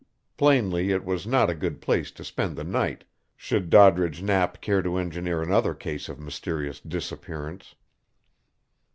Plainly it was not a good place to spend the night should Doddridge Knapp care to engineer another case of mysterious disappearance.